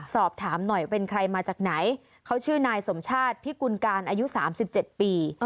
สอบถามหน่อยเป็นใครมาจากไหนเขาชื่อนายสมชาติพิกุลการอายุ๓๗ปี